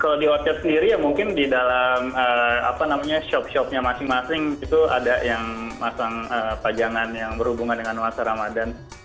kalau di orchard sendiri ya mungkin di dalam apa namanya shop shopnya masing masing itu ada yang pasang pajangan yang berhubungan dengan masa ramadhan